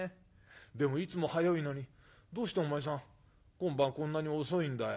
でもいつも早いのにどうしてお前さん今晩こんなに遅いんだよ？』。